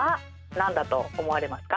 何だと思われますか？